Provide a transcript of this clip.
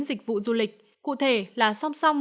dịch vụ du lịch cụ thể là song song